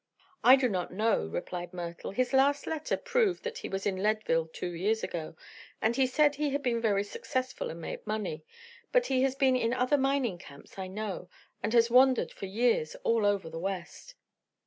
"I do not know," replied Myrtle. "His last letter proved that he was in Leadville two years ago, and he said he had been very successful and made money; but he has been in other mining camps, I know, and has wandered for years all over the West."